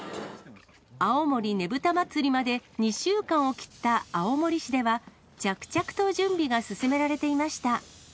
青森ねぶた祭まで、２週間を切った青森市では、着々と準備が進められていました。